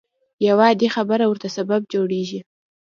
يوه عادي خبره ورته سبب جوړېږي.